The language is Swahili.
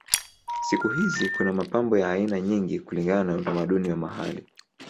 Siku hizi kuna mapambo ya aina nyingi kulingana na utamaduni wa mahali.